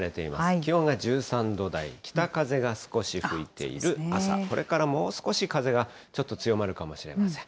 きおんが１３度台、北風が少し吹いている朝、これからもう少し風がちょっと強まるかもしれません。